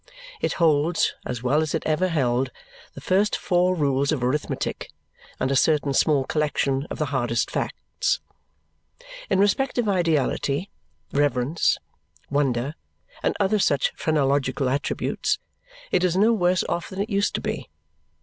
It holds, as well as it ever held, the first four rules of arithmetic and a certain small collection of the hardest facts. In respect of ideality, reverence, wonder, and other such phrenological attributes, it is no worse off than it used to be.